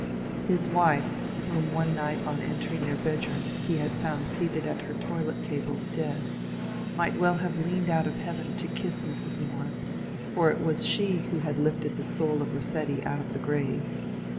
His wife, whom one night on entering their bedroom be had found seated at her toilet table dead, might well have leaned out of heaven to kiss Mrs. Morris, for it was she who had lifted tbe soul of Rossetti out of tbe grave.